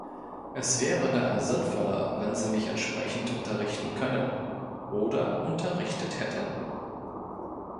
Es wäre daher sinnvoller, wenn Sie mich entsprechend unterrichten können oder unterrichtet hätten.